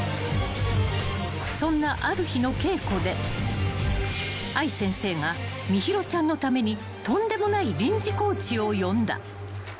［そんなある日の稽古で愛先生が心優ちゃんのためにとんでもない臨時コーチを呼んだ］